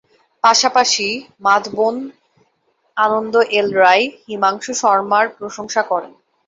পাশাপাশি, মাধবন, আনন্দ এল রাই, হিমাংশু শর্মার প্রশংসা করেন।